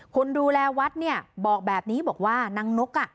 คนดูแลวัดบอกแบบนี้บอกว่านางนก